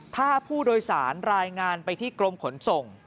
ถ้าผู้โดยสารรายงานไปที่กรมขนส่ง